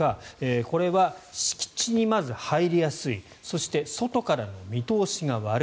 これは敷地にまず入りやすいいそして、外からの見通しが悪い